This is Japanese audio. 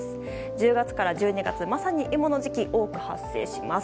１０月から１２月まさに今の時期多く発生します。